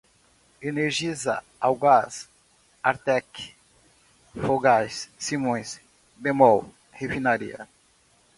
Energisa, Algás, Artek, Fogás, Simões, Bemol, Refinaria